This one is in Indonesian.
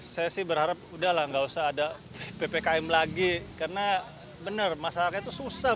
saya sih berharap udahlah nggak usah ada ppkm lagi karena benar masyarakat itu susah